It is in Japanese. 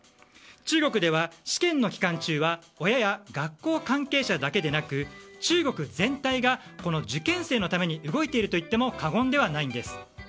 中国では試験の期間中は親や学校関係者だけでなく中国全体が受験生のために動いているといっても過言ではないんです。